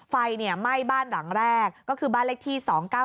ไฟไหม้บ้านหลังแรกก็คือบ้านเลขที่๒๙๙